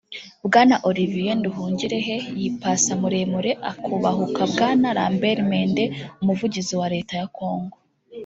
bwana Olivier Nduhungirehe yipasa muremure akubahuka bwana Lambert Mende umuvugizi wa Leta ya Congo